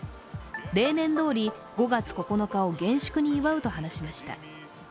例年どおり５月９日を厳粛に祝うと話しました。